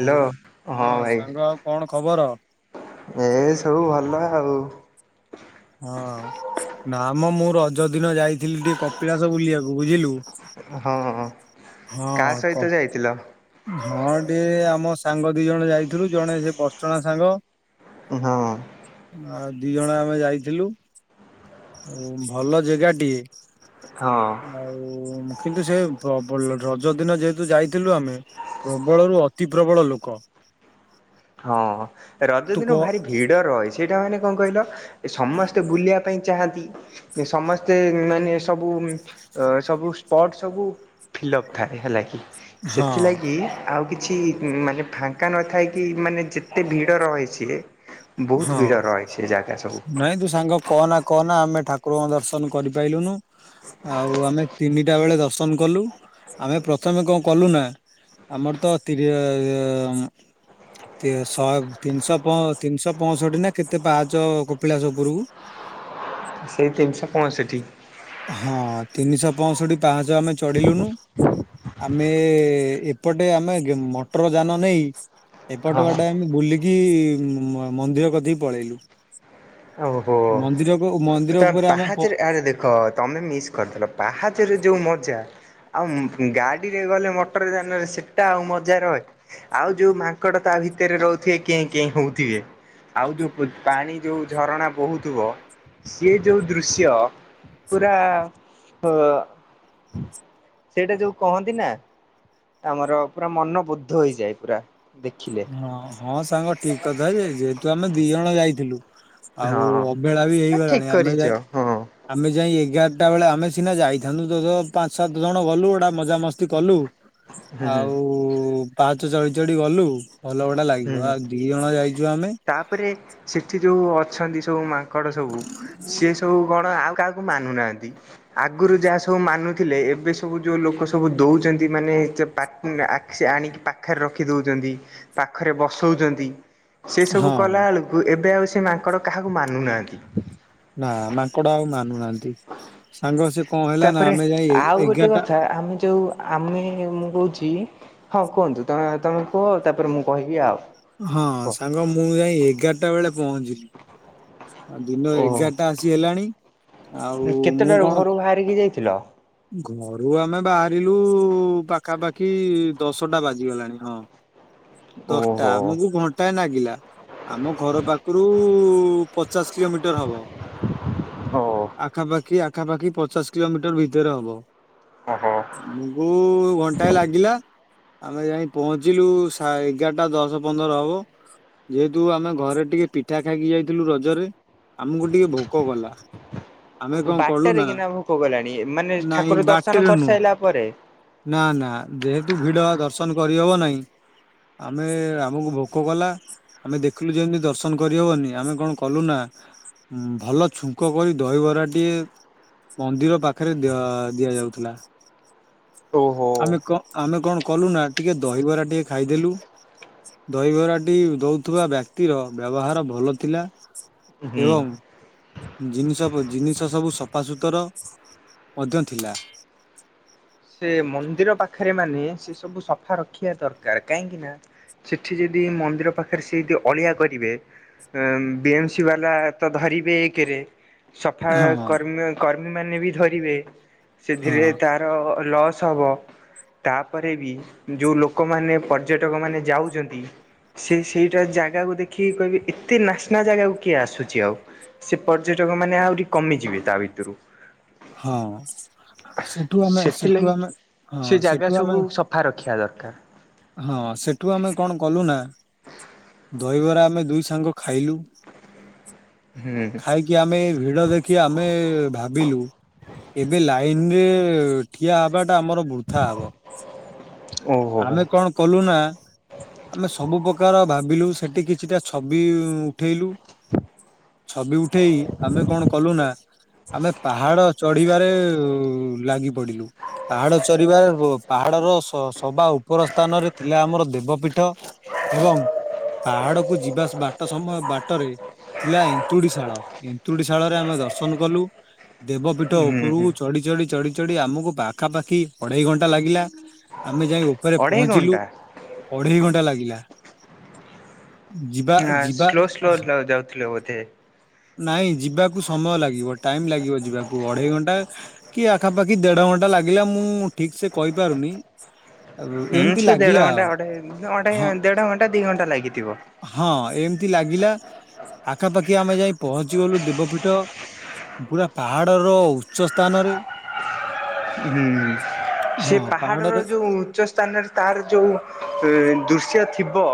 Hello. ହଉ। ହଁ ଭାଇ। ସାଙ୍ଗ ଆଉ କଣ ଖବର? ଏ ସବୁ ଭଲ ଆଉ ହଁ, ନା ମ ମୁଁ ରଜ ଦିନ ଯାଇଥିଲି ଟିକେ କପିଳାସ ବୁଲିବାକୁ ବୁଝିଲୁ। ହଁ। କାହା ହଁ କ ସହିତ ଯାଇଥିଲ? ହଁ ଟିକେ ଆମ ସାଙ୍ଗ ଦି ଜଣ ଯାଇଥିଲୁ। ଜଣେ ସେ ବଡଚଣା ସାଙ୍ଗ। ହଁ। ଆଉ ଦି ଜଣ ଆମେ ଯାଇଥିଲୁ। ଭଲ ଜାଗା ଟିଏ। ହଁ ଆଉ କିନ୍ତୁ ସେ ପ ପ୍ର ରଜ ଦିନ ଯେହେତୁ ଯାଇଥିଲୁ ଆମେ ପ୍ରବଳରୁୁ ଅତି ପ୍ରବଳ ଲୋକ। ହଁ ରଜ ତୁ କ ଦିନ ଭାରି ଭିଡ ରହେ। ସେଇଟା ମାନେ କଣ କହିଲ ଏ ସମସ୍ତେ ବୁଲିବା ପାଇଁ ଚାହାନ୍ତି। ସମସ୍ତେ ମାନେ ସବୁ ଅ ସବୁ ସ୍ପଟ୍ ସବୁ ଫିଲଫ୍ ଥାଏ ହେଲା କି ହଁ ସେଥିଲାଗି ଆଉ କିଛି ମାନେ ଫାଙ୍କା ନଥାଏ। କି ମାନେ ଯେତେ ଭିଡ ରହିଛି। ହଁ ନାଇଁ ତୁ ସାଙ୍ଗ କହନା କହନା ଆମେ ଠାକୁରଙ୍କୁ ଦର୍ଶନ କରିପାଇଲୁନୁ। ଆଉ ଆମେ ତିନିଟା ବେଳେ ଦର୍ଶନ କଲୁ ଆମେ ପ୍ରଥମେ କଣ କଲୁ ନା। ଆମର ତ ତିରି ତି ଶ ତିନି ଶହ ଫଁ ତିନି ଶହ ପଞ୍ଚଷଠି ନା କେତେ ପାହାଚ କପିଳାସ ଉପରକୁ ସେଇ ତିନିଶହ ପଞ୍ଚଷଠି। ହଁ ତିନିଶହ ପଞ୍ଚଷଠି ପାହାଚ ଆମେ ଚଢିଲୁନୁ। ଆମେ ଏପଟେ ଆମେ ମଟର ଯାନ ନେଇ ଏପଟ ହଁ ବାଟେ ଆମେ ବୁଲିକି ମ ମନ୍ଦିର କତିକି ପଳେଇଲୁ। ହବ। ମନ୍ଦିରକୁ ମନ୍ଦିର ହେଟା ଉପରେ ଆମେ ପ ପାହାଚରେ ଆରେ ଦେଖ ତମେ ମିସ୍ କରିଦେଲ ପାହାଚରେ ଯୋଉ ମଜା ଆଉ ଗାଡ଼ିରେ ଗଲେ ମଟର ଯାନରେ ସେଟା ଆଉ ମଜା ରହେ। ଆଉ ଯୋଉ ମାଙ୍କଡ ତା ଭିତରେ ରହୁଥିବେ କେଁ କେଁ ହଉଥିବେ। ଆଉ ଯୋଉ ପାଣି ଯୋଉ ଝରଣା ବୋହୁଥିବ। ସିଏ ଯୋଉ ଦୃଶ୍ୟ ପୁରା ଅ ସେଇଟା ଯୋଉ କହନ୍ତି ନା ଆମର ପୁରା ମନ ବୁଦ୍ଧ ହେଇଯାଏ ପୁରା ଦେଖିଲେ। ହଁ ହଁ ସାଙ୍ଗ ଠିକ୍ କଥା ଯେ ଯେହେତୁ ଆମେ ଦି ଜଣ ଯାଇଥିଲୁ ଆଉ ହଁ ଅବହେଳା ବି ଠିକ ହେଇଗଲାଣି ଆମେ କରିଛ ଯାଏ। ହଁ ଆମେ ଯାଇ ଏଗାରଟା ବେଳେ ଆମେ ସିନା ଯାଇଥାନ୍ତୁ ତୁ ତ ପାଞ୍ଚ ସାତ ଜଣ ଗଲୁ ଗୋଟା ମଜାମସ୍ତି କଲୁ। ହୁଁ ଆଉ ପାହାଚ ଚଢ଼ି ଚଢ଼ି ଗଲୁ। ଭଲ ଗୋଟା ଲାଗିବ ହୁଁ ଆଉ ଦି ଜଣ ଯାଇଚୁ ଆମେ। ତାପରେ ସେଠି ଯୋଉ ଅଛନ୍ତି ସବୁ ମାଙ୍କଡ଼ ସବୁ ସିଏ ସବୁ କଣ ଆଉ କାହାକୁ ମାନୁ ନାହାନ୍ତି। ଆଗରୁ ଯାହା ସବୁ ମାନୁଥିଲେ ଏବେ ସବୁ ଯୋଉ ଲୋକ ସବୁ ଦଉଚନ୍ତି ମାନେ ଏତେ ପା ଆକ୍ ସେ ଆଣିକି ପାଖରେ ରଖି ଦଉଚନ୍ତି। ପାଖରେ ବସଉଚନ୍ତି ସେ ହଁ ସବୁ କଲାଏଳକୁ କୁ ଏବେ ଆଉ ସେ ମାଙ୍କଡ଼ କାହାକୁ ମାନୁନାହାନ୍ତି। ନା ମାଙ୍କଡ ଆଉ ମାନୁନାହାନ୍ତି ସାଙ୍ଗ ସେ କଣ ହେଲା ନା ତାପରେ ଆମେ ଯାଇ ଏ- ଆଉ ଗୋଟେ ଏଗାରଟା କଥା ଆମେ ଯୋଉ ଆମେ ମୁଁ କହୁଚି ହଁ କୁହନ୍ତୁ ତମେ ତମେ କୁହ ତାପରେ ମୁଁ କହିବି ଆଉ‌। ହଁ ସାଙ୍ଗ ମୁଁ ଯାଇ ଏଗାରଟା ବେଳେ ପହଞ୍ଚିଲି। ଆ ଦିନ ଓହୋ ଏଗାରଟା ଆସି ହେଲାଣି ଆଉ ମୁଁ କଣ କିଏ କିଏ ଯାଇଥିଲ? ଘରୁ ଆମେ ବାହାରିଲୁ ପାଖାପାଖି ଦଶଟା ବାଜିଗଲାଣି ହଁ। ଦଶଟା ଓହୋ ଆମକୁ ଘଣ୍ଟାଏ ନାଗିଲା ଆମ ଘର ପାଖରୁ ପଚାଶ କିଲୋମିଟର ହବ ଓ। ଆଖାପାଖି ଆଖାପାଖି ପଚାଶ କିଲୋମିଟର ଭିତ ଭିତରେ ହବ। ଓ ହୋ ଆମକୁ ଘଣ୍ଟାଏ ଲାଗିଲା ଆମେ ଯାଇ ପହଞ୍ଚିଲୁ ସାଏ ଏଗାରଟା ଦଶ ପନ୍ଦର ହବ ଯେହେତୁ ଆମେ ଘରେ ଟିକେ ପିଠା ଖାଇକି ଯାଇଥିଲୁ ରଜରେ ଆମକୁ ଟିକେ ଭୋକ କଲା ଆମେ କଣ କଲୁ ବାରଟାରେ ନା କିନା ଭୋକ କଲାଣି ମାନେ ନାଇଁ ଠାକୁର ଦର୍ଶନ ବାଟରେ ନୁହଁ କରିସାରିଲା ପରେ ନା ନା ଯେହେତୁ ଭିଡ ଦର୍ଶନ କରିହବ ନାହିଁ ଆମେ ଆମକୁ ଭୋକ କଲା ଆମେ ଦେଖିଲୁ ଯେମିତି ଦର୍ଶନ କରିହବନି ଆମେ କଣ କଲୁ ନା ଭଲ ଛୁଙ୍କ କରି ଦହିବରାଟିିଏ ମନ୍ଦିର ପାଖ ପାଖରେ ଦି ଦିଆଯାଉଥିଲା ଓହୋ। ଆମେ କ ଆମେ କଣ କଲୁ ନା ଟିକେ ଦହିବରା ଟିକେ ଖାଇଦେଲୁ ଦହଘରାଟି ଦଉଥିବା ବ୍ୟକ୍ତିର ବ୍ୟବହାର ଭଲ ଥିଲା ହୁଁ ଏବଂ ଜିନିଷ ଜିନିଷ ସବୁ ସଫାସୁତୁର ମଧ୍ୟ ଥିଲା। ସେ ମନ୍ଦିର ପାଖରେ ମାନେ ସେ ସବୁ ସଫା ରଖିବା ଦରକାର କାହିଁକି ନା ସେଠି ଯଦି ମନ୍ଦିର ପାଖରେ ସେ ଇଟି ଅଳିଆ କରିବେ ବି ଏମ ସି ବାଲା ତ ଧରିବେ ଏକରେ ସଫା ହଁ କର୍ମ କର୍ମୀ ମାନେ ବି ଧରିବେ, ହଁ ସେଥିରେ ତାର ଲସ୍ ହବ ତାପରେ ବି ଯୋଉ ଲୋକମାନେ, ପର୍ଯ୍ୟଟକ ମାନେ ଯାଉଛନ୍ତି ସେ ସେଇଟା ଜାଗାକୁ ଦେଖିକି କହିବେ, ଏତେ ନାସ୍ନା ଜାଗାକୁ କିଏ ଆସୁଛି ଆଉ ସେ ପର୍ଯ୍ୟଟକ ମାନେ ଆହୁରି କମିଯିବେ ତା ଭିତରୁ ହଁ, ସେଠୁ ଆମେ ସେଠୁ ସେଥିଲାଗି ଆମେ ସେ ହଁ ଜାଗା ସେଠୁ ସବୁ ଆମେ ସଫା ରଖିବା ଦରକାର। ହଁ, ସେଠୁ ଆମେ କଣ କଲୁ ନା ଦହିବରା ଆମେ ଦୁଇ ସାଙ୍ଗ ଖାଇଲୁ ହୁଁ କି ଆମେ ଭିଡ ଦେଖି ଆମେ ଭାବିଲୁ ଏବେ ଲାଇନ୍ ରେ ଠିଆ ହବାଟା ଆମର ବୃଥା ହବ। ଓହୋ ଆମେ କଣ କଲୁ ନା ଆମେ ସବୁ ପ୍ରକାର ଭାବିଲୁ, ସେଠି କିଛିଟା ଛବି ଉଠେଇଲୁ ଛବି ଉଠେଇ, ଆମେ କଣ କଲୁ ନା ଆମେ ପାହାଡ଼ ଚଢିବାରେ ଲାଗି ପଡିଲୁ। ପାହାଡ ଚଢିବା ପାହାଡର ସ ସବା ଉପର ସ୍ଥାନରେ ଥିଲା ଆମର ଦେବପୀଠ ଏବଂ ପାହାଡ କୁ ଯିବା ବାଟ ସମୟ ବାଟରେ ଥିଲା ଏନ୍ତୁଡି ଶାଳ, ଏନ୍ତୁଡି ଶାଳ ରେ ଆମେ ଦର୍ଶନ କଲୁ ଦେବପୀଠ ହୁଁ ହୁଁ ଉପରକୁ ଚଢି, ଚଢି, ଚଢି, ଚଢି ଆମକୁ ପାଖାପାଖି ଅଢେଇ ଘଣ୍ଟା ଲାଗିଲା ଆମେ ଯାଇ ଉପରେ ଅଢେଇ ପହଞ୍ଚିଲୁ, ଘଣ୍ଟା ଅଢେଇ ଘଣ୍ଟା ଲାଗିଲା! ଯିବା ଯିବା ସ୍ଲୋ ସ୍ଲୋ ଯାଉଥିଲେ ବୋଧେ ନାଇଁ ଯିବାକୁ ସମୟ ଲାଗିବ, ଟାଇମ ଲାଗିବ ଯିବାକୁ ଅଢେଇ ଘଣ୍ଟା କି ଆଖାପାଖି ଦେଢ଼ ଘଣ୍ଟା ଲାଗିଲା, ମୁଁ ଠିକ୍ ସେ କହିପାରୁନି ହୁଁ ଏମିତି ସେ ଦେଢ ଲାଗିଲା ଘଣ୍ଟା, ଆଉ ଘଣ୍ଟେ, ହଁ ଦେଢଘଣ୍ଟା ଦି ଘଣ୍ଟା ଲାଗିଥିବ। ହଁ ଏମିତି ଲାଗିଲା, ଆଖାପାଖି ଆମେ ଯାଇ ପହଞ୍ଚି ଗଲୁ ଦେବପୀଠ ପୁରା ପାହାଡର ଉଚ୍ଚ ସ୍ଥାନରେ ହଁ ସେ ହଁ ପାହାଡ଼ର ପାହାଡରେ ଯୋଉ ଉଚ୍ଚ ସ୍ଥାନରେ ତାର ଯୋଉ ଦୃଶ୍ୟ ଥିବ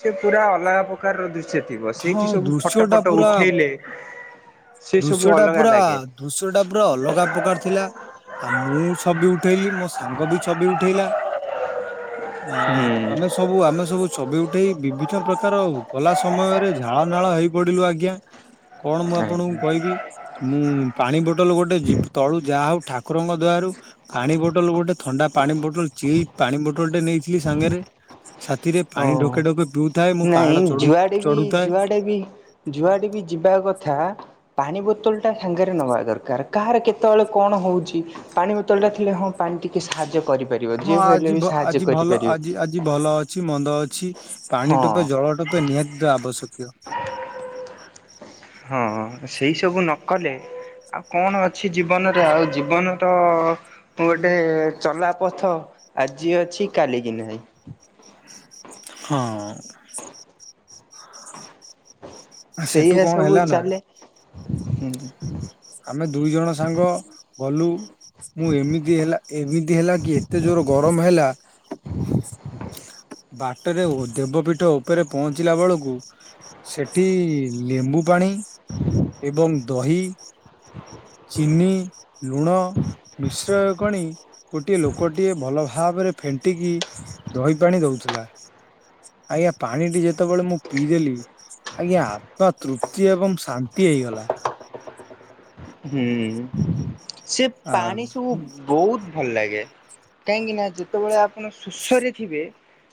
ସେ ପୁରା ଅଲଗା ପ୍ର ପ୍ରକାର ଦୃଶ୍ୟ ଥିବ, ହଁ ସେଇଠି ସବୁ ଫଟୋ ଦୃଶ୍ୟଟା ଫଟ ପୁରା ଉଠେଇଲେ ସେ ସବୁ ଦୃଶ୍ୟଟା ଅଲଗା ପୁରା, ଲାଗେ ଦୃଶ୍ୟଟା ପୁରା ଅଲଗା ପ୍ରକାର ଥିଲା। ଆଉ ମୁଁ ଛବି ଉଠେଇଲି, ମୋ ସାଙ୍ଗ ବି ଛବି ଉଠେଇଲା। ହଁ ହୁଁ ଆମେ ସ ସବୁ ଆମେ ସବୁ ଛବି ଉଠେଇ ବିଭିନ୍ନ ପ୍ରକାର କଲା ସମୟରେ ଝାଳ ନାଳ ହେଇ ପଡି଼ଲୁ ଆଜ୍ଞା। କଣ ମୁଁ ଆପଣଙ୍କୁ ଆଜ୍ଞା କହିବି। ମୁଁ ପାଣି ବୋଟଲ ଗୋଟେ ତଳୁ ଯାହା ହଉ, ଠାକୁରଙ୍କ ଦୟାରୁ ପାଣି ବୋଟଲ ଗୋଟେ, ଥଣ୍ଡା ପାଣି ବୋଟଲ ଚିଲ୍, ପାଣି ବୋଟଲ ଟେ ନେଇଥିଲି ସାଙ୍ଗରେ। ସାଥିରେ ପାଣି ଢୋକେ, ଓ ଢୋକେ ପିଉ ନାଇଁ ଯୁଆଡ଼େ ବି, ଯୁଆଡ଼େ ବି, ଯୁଆଡ଼େ ବି ଯିବା କଥା ପାଣି ବୋତଲଟା ସାଙ୍ଗରେ ନେବା ଦରକାର। କାହାର କେତେବେଳେ କଣ ହେଉଛି ପାଣି ବୋତଲ ଟା ଥିଲେ ହଁ ପାଣି ଟିକେ ସାହାଯ୍ୟ କରିପାରିବ, ହଁ ଯିଏ ଆଜି ହଲେ ଭ ବି ସାହାଯ୍ୟ ଆଜି ଭଲ କରିପାରିବ। ଆଜି ଆଜି ଭଲ ଅଛି, ମନ୍ଦ ଅଛି, ପାଣି ହଁ ଟୋପେ, ଜଳ ଟୋପେ ନିହାତି ଆବଶ୍ୟକୀୟ ହଁ, ସେଇ ସବୁ ନ କଲେ ଆଉ କଣ ଅଛି ଜୀବନରେ? ଆଉ ଜୀବନ ତ ଗୋଟେ ଚଲା ପଥ, ଆଜି ଅଛି କାଲିକିି ନାହିଁ। ହଁ। ସେଠୁ ସେଇଆ କଣ ସବୁ ହେଲା ନା ଚାଲେ। ହୁଁ। ଆମେ ଦୁଇ ଜଣ ସାଙ୍ଗ ଗଲୁ ମୁଁ ଏମିତି ହେଲା ଏମିତି ହେଲା କି ଏତେ ଜୋର ଗରମ ହେଲା ବାଟରେ ଦେବପୀଠ ଉପରେ ପହଞ୍ଚିଲା ବେଳକୁ ସେଠି ଲେମ୍ବୁ ପାଣି ଏବଂ ଦହି ଚିନି, ଲୁଣ ମିଶ୍ରୟ କଣି ଗୋଟିଏ ଲୋକଟିଏ ଭଲ ଭାବରେ ଫେଣ୍ଟିକି ଦହି ପାଣି ଦଉଥିଲା। ଆଜ୍ଞା ପାଣିଟି ଯେତେବେଳେ ମୁଁ ପିଇଦେଲି ଆଜ୍ଞା ଆତ୍ମା ତୃପ୍ତି ଏବଂ ଶାନ୍ତି ହେଇଗଲା। ହୁଁ ସେ ଆ ପାଣି ସବୁ ବହୁତ ଭଲ ଲାଗେ। କାହିଁକି ନା ଯେତେବେଳେ ଆପଣ ଶୋଷରେ ଥିବେ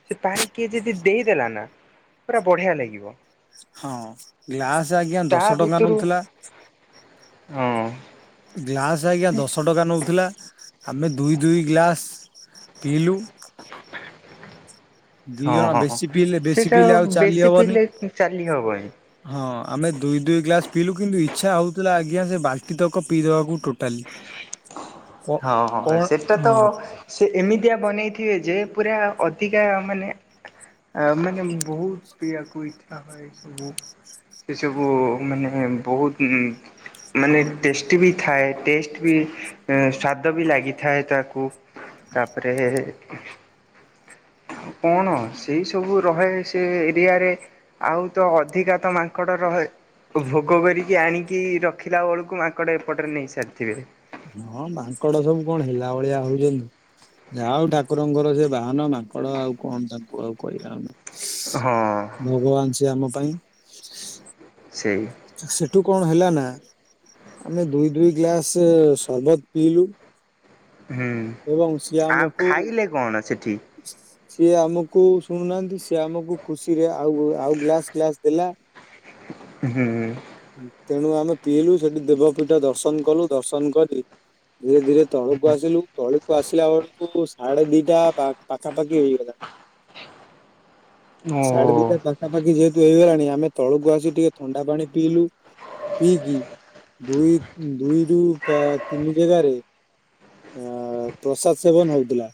ସେ ପାଣି କିଏ ଯଦି ଦେଇଦେଲା ନା ପୁରା ବଢ଼ିଆ ଲାଗିବ। ହଁ ଗ୍ଲାସ ଆଜ୍ଞା ତା ଦଶ ଟଙ୍କା ଭିତରୁ ନଉଥିଲା। ହଁ। ଗ୍ଲାସ ଆଜ୍ଞା ଦଶ ଟଙ୍କା ନଉଥିଲା। ଆମେ ଦୁଇ ଦୁଇ ଗ୍ଲାସ୍ ପିଇଲୁ। ଦି ହଁ ଜଣ ହଁ ବେଶୀ ପିଇଲେ ବେଶୀ ସେଇଟା ପିଇଲେ ଆଉ ଚାଲି ବେଶୀ ହବନି। ପିଇଲେ ଚାଲି ହବନି। ହଁ ଆମେ ଦୁଇ ଦୁଇ ଗ୍ଲାସ ପିଇଲୁ କିନ୍ତୁ ଇଚ୍ଛା ହଉଥିଲା ଆଜ୍ଞା ସେ ବାଲ୍ଟି ତକ ପିଇଦବାକୁ ଟୋଟାଲି। [inaudible] ହଁ ହଁ କଣ ସେଟା ତ ହଁ ସେ ଏମିତିଆ ବନେଇଥିଏ ଯେ ପୁରା ଅଧିକା ମାନେ ଆମେ ମାନେ ବହୁତ ପିଇବାକୁ ଇଚ୍ଛା ହୁଏ ସବୁ। ସେସବୁ ମାନେ ବହୁତ ମାନେ ଟେଷ୍ଟୀ ବି ଥାଏ ଟେଷ୍ଟ ବି ସ୍ବାଦ ବି ଲାଗିଥାଏ ତାକୁ ତାପରେ କଣ ସେଇ ସବୁ ରହେ ସେ ଏରିଆରେ। ଆଉ ତ ଅଧିକା ତ ମାଙ୍କଡ ରହେ ଭୋଗ କରିକି ଆଣିକି ରଖିଲା ବେଳକୁ ମାଙ୍କଡ଼ ଏପଟରେ ନେଇସାରିଥିବେ। ହଁ ମାଙ୍କଡ ସବୁ କଣ ହେଲା ଭଳିଆ ହଉଚନ୍ତି। ଯା ହଉ ଠାକୁରଙ୍କର ସେ ବାହାନ ମାଙ୍କଡ ଆଉ କଣ ତାଙ୍କୁ ଆଉ କହିବା ଆମେ। ହଁ। ଭଗବାନ ସେ ଆମ ପାଇଁ ସେଇ ସେଠୁ କଣ ହେଲା ନା ଆମେ ଦୁଇ ଦୁଇ ଗ୍ଲାସ୍ ସରବତ ପିଇଲୁ। ହୁଁ ଏବଂ ସିଏ ଆଉ ଆମକୁ ଖାଇଲେ କଣ ସେଠି? ସିଏ ଆମକୁ ଶୁଣୁନାହାନ୍ତି ସିଏ ଆମକୁ ଖୁସି ରେ ଆଉ ଆଉ ଗ୍ଲାସ୍ ଗ୍ଲାସ୍ ଦେଲା। ହୁଁ। ତେଣୁ ଆମେ ପିଇଲୁ ସେଠି ଦେବପୀଠ ଦର୍ଶନ କଲୁ ଦର୍ଶନ କରି ଧୀରେ ଧୀରେ ତଳକୁ ଆସିଲୁ ତଳକୁ ଆସିଲା ବେଳକୁ ସାଢେ ଦିଟା ପା ପାଖାପାଖି ହେଇଗଲା ଓ ସାଢେ ଦି ପାଖାପାଖି ଯେହେତୁ ହେଇଗଲାଣି ଆମେ ତଳକୁ ଆସି ଟିକେ ଥଣ୍ଡା ପାଣି ପିଇଲୁ। ପିଇକି ଦୁଇ ଦୁଇରୁୁ ପା ତିନି ଜାଗାରେ ଆ ପ୍ରସାଦ ସେବନ ହଉଥିଲା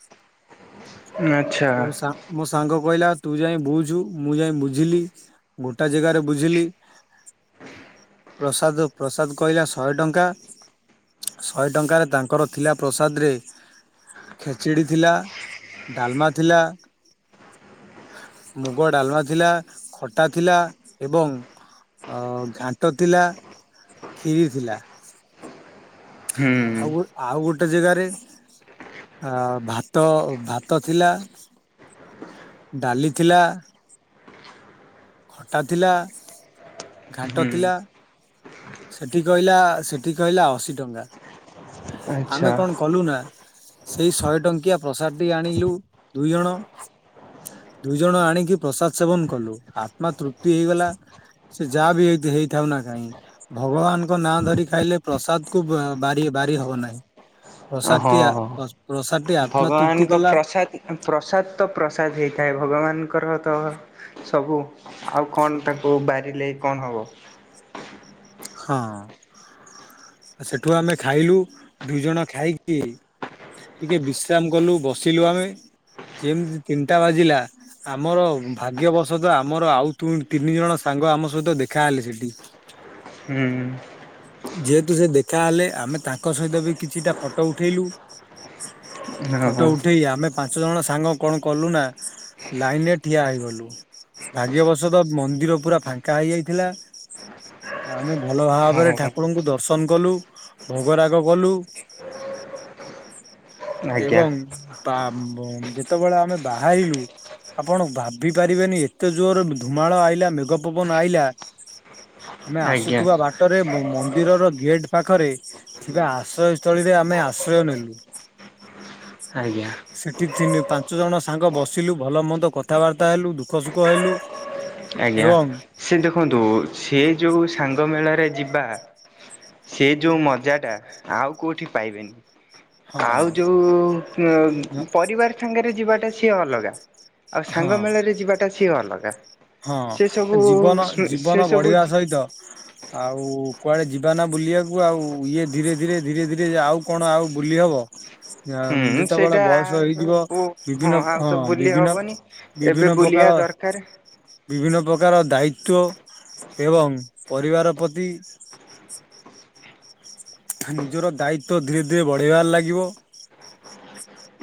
ଆଚ୍ଛା ବହୁତ ସା ମୋ ସାଙ୍ଗ କହିଲା ତୁ ଯାଇ ବୁଝୁ ମୁଁ ଯାଇଁ ବୁଝିଲି। ଗୋଟା ଜାଗାରେ ବୁଝିଲି ପ୍ରସାଦ ପ୍ରସାଦ କହିଲା ଶହେ ଟଙ୍କା। ଶହେ ଟଙ୍କାରେ ତାଙ୍କର ଥିଲା ପ୍ରସାଦରେ ଖେଚେଡ଼ି ଥିଲା ଡାଲମା ଥିଲା। ମୁଗ ଡାଲମା ଥିଲା ଖଟା ଥିଲା ଏବଂ ଅ ଘାଣ୍ଟ ଥିଲା କ୍ଷୀରି ଥିଲା। ହୁଁ ଅଉଗୋଟ ଆଉ ଗୋଟେ ଜାଗାରେ ଆଁ ଭାତ ଭାତ ଥିଲା ଡାଲି ଥିଲା। ଖଟା ଥିଲା, ଘାଣ୍ଟ ହୁଁ। ଥିଲା। ସେଠି କହିଲା, ସେଠି କହିଲା ଅଶୀ ଟଙ୍କା ଆମେ ଆଚ୍ଛା କଣ କଲୁ ନା ସେଇ ଶହେ ଟଙ୍କିଆ ପ୍ରସାଦ ଟି ଆଣିଲୁ ଦୁଇ ଜଣ ଦୁଇ ଜଣ ଆଣିକି ପ୍ରସାଦ ସେବନ କଲୁ ଆତ୍ମା ତୃପ୍ତି ହେଇଗଲା। ସେ ଯାହା ବି ହେଇଥେ ହେଇଥାଉ ନା କାଇହିଁ ଭଗବାନଙ୍କ ନାଁ ଧରି ଖାଇଲେ ପ୍ରସାଦ କୁ ବାରି ବାରି ହବ ନାହିଁ। ପ୍ରସାଦ ଟି ହଁ ଆ ହଁ। ପ୍ରସାଦ ଟି ଆତ୍ମା ତୃପ୍ତି ଭଗବାନଙ୍କ କଲା। ପ୍ରସାଦ ପ୍ରସାଦ ତ ପ୍ରସାଦ ହେଇଥାଏ ଭଗବାନଙ୍କର ତ ସବୁ ଆଉ କଣ ତାକୁ ବାରିଲେ କଣ ହବ। ହଁ। ସେଠୁ ଆମେ ଖାଇଲୁ ଦୁଇ ଜଣ ଖାଇକି ଟିକେ ବିଶ୍ରାମ କଲୁ ବସିଲୁ ଆମେ ଯେମିତି ତିନିଟା ବାଜିଲା ଆମର ଭାଗ୍ୟବଶତ ଆମର ଆଉୁ ତୁ ତିନି ଜଣ ସାଙ୍ଗ ଆମ ସହିତ ଦେଖାହେଲେ ସେଠି ହୁଁ। ଯେହେତୁ ସେ ଦେଖା ହେଲେ ଆମେ ତାଙ୍କ ସହିତ ବି କିଛିଟା ଫଟୋ ଉଠେଇଲୁ। ହଁ ଫଟୋ ଉଠେଇ ଆମେ ପାଞ୍ଚ ଜଣ ସାଙ୍ଗ କଣ କଲୁ ନା ଲାଇନ ରେ ଠିଆ ହେଇଗଲୁ। ଭାଗ୍ୟ ବଶତଃ ମନ୍ଦିର ପୁରା ଫାଙ୍କା ହେଇଯାଇଥିଲା। ଆମେ ଭଲ ଭାବରେ ଠା ହଁ କୁରଙ୍କୁ ଦର୍ଶନ କଲୁ ଭୋଗରାଗ କଲୁ ଆଜ୍ଞା ଏବଂ ତା ପରେ ଯେତେବେଳେ ଆମେ ବାହାରିଲୁ ଆପଣ ଭାବି ପାରିବେନି ଏତେ ଜୋର ଧୁମାଳ ଆଇଲା ମେଘ ପବନ ଆଇଲା ଆମେ ଆଜ୍ଞା ଆସୁଥିବା ବାଟରେ ମ ମ ମନ୍ଦିରର ଗେଟ୍ ପାଖରେ ଥିବା ଆଶ୍ରୟସ୍ଥଳୀରେ ଆମେ ଆଶ୍ରୟ ନେଲୁ। ଆଜ୍ଞା। ସେଠି ତିନି ପାଞ୍ଚ ଜଣ ସାଙ୍ଗ ବସିଲୁ ଭଲ ମନ୍ଦ କଥାବାର୍ତ୍ତା ହେଲୁ ଦୁଃଖ ସୁଖ ହେଲୁ। ଆଜ୍ଞା ଏବଂ ସେଇ ଦେଖନ୍ତୁ ସେ ଯୋଉ ସାଙ୍ଗ ମେଳାରେ ଯିବା ସେ ଯୋଉ ମଜା ଟା ଆଉ କୋଉଠି ପାଇବେନି। ଆଉ ହଁ ଯୋଉ ଆ ପରିବାର ସାଙ୍ଗରେ ଯିବା ଟା ସିଏ ଅଲଗା। ଆଉ ସାଙ୍ଗ ହଁ ମେଳରେ ଯିବାଟା ସିଏ ଅଲଗା। ହଁ ସେ ଏ ସବୁ ଜୀବନ ସେ ଜୀବନ ସବୁ ବଢିବା ସହିତ ଆଉ କୁଆଡେ ଯିବା ନା ବୁଲିବାକୁ ଆଉ ଇଏ ଧୀରେ ଧୀରେ ଧୀରେ ଧୀରେ ଆଉ କଣ ଆଉ ବୁଲି ହବ। ହ। ଆଉ ହୁଁ ସେଇଟା ଯେତେବେଳେ ବୟସ ହେଇଯିବ ବିଭିନ୍ନ ଆଉ ହଁ ତ ବୁଲି ବିଭିନ୍ନ ହବନି ଏବେ ବିଭିନ୍ନ ବୁଲିବା ପ୍ରକାର ଦରକାର ବିଭିନ୍ନ ପ୍ରକାର ଦାୟିତ୍ଵ ଏବଂ ପରିବାର ପ୍ରତି ନିଜର ଦାୟିତ୍ୱ ଧୀରେ ଧୀରେ ବଢିବାରେ ଲାଗିବ।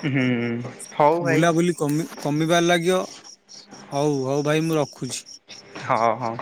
ହୁଁ। ହଉ ଭାଇ ବୁଲା ବୁଲି କମି କମିବାରେ ଲାଗିବ ହଉ ହଉ ଭାଇ ମୁଁ ରଖୁଛି। ହଁ ହଁ।